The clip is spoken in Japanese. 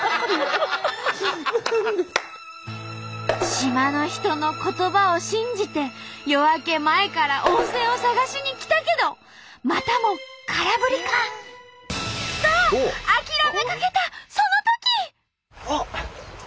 島の人の言葉を信じて夜明け前から温泉を探しに来たけどまたも空振りか？と諦めかけたそのとき！